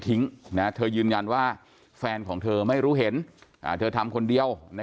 เธอยืนยันว่าแฟนของเธอไม่รู้เห็นเธอทำคนเดียว